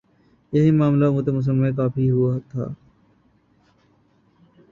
یہی معاملہ امت مسلمہ کا بھی تھا۔